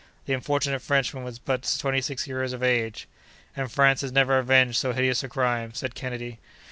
The unfortunate Frenchman was but twenty six years of age." "And France has never avenged so hideous a crime?" said Kennedy.